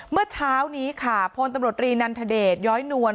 เมื่อเช้านี้ค่ะพลตำรวจรีนันทเดชย้อยนวล